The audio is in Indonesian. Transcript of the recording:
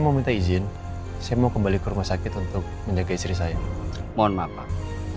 meminta izin saya mau kembali ke rumah sakit untuk menjaga istri saya mohon maaf pak